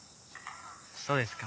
そうですか。